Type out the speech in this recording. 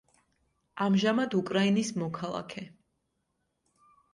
ამჟამად უკრაინის მოქალაქე.